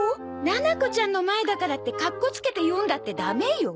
ななこちゃんの前だからってかっこつけて読んだってダメよ。